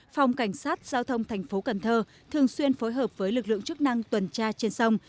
phòng cảnh sát giao thông thành phố cần thơ thường xuyên phối hợp với lực lượng chức năng tuần tra trên sông